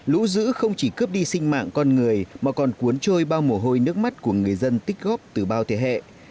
lũ giữ không chỉ cướp đi sinh mạng con người mà còn cuốn trôi bao mồ hôi nước mắt của người dân tích góp từ bao thế hệ